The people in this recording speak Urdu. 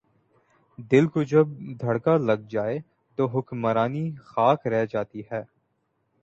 دل کو جب دھڑکا لگ جائے تو حکمرانی خاک رہ جاتی ہے۔